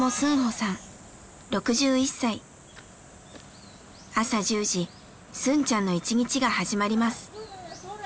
朝１０時スンちゃんの一日が始まります。